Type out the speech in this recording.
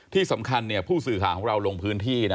ที่สำคัญผู้สื่อข่าวของเราลงพื้นที่นะ